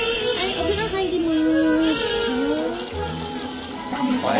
お風呂入ります。